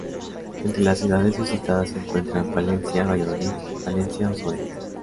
Entre las ciudades visitadas se encuentran: Palencia, Valladolid, Valencia o Soria.